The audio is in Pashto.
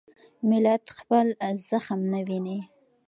ملت خپل زخم نه ویني.